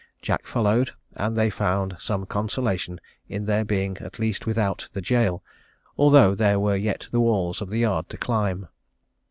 Jack followed, and they found some consolation in their being at least without the gaol, although there were yet the walls of the yard to climb.